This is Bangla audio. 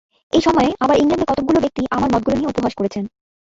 এই সময়ে আবার ইংলণ্ডে কতকগুলি ব্যক্তি আমার মতগুলি নিয়ে উপহাস করেছেন।